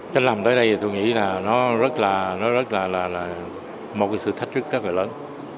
cách làm tới đây tôi nghĩ là nó rất là nó rất là là một cái sự thách trức rất là lớn